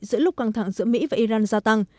giữa lúc căng thẳng giữa mỹ và iran gia tăng